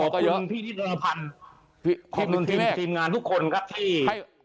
ขอบคุณทีมงานทุกคนครับที่